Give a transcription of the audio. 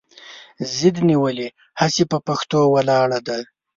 ضد نیولې هسې پهٔ پښتو ولاړه ده